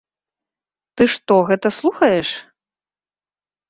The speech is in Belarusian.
Ты, што гэта слухаеш?